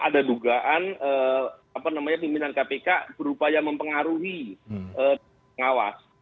ada dugaan pimpinan kpk berupaya mempengaruhi pengawas